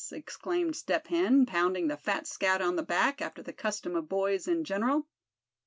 exclaimed Step Hen, pounding the fat scout on the back, after the custom of boys in general.